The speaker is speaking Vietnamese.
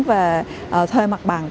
về thuê mặt bằng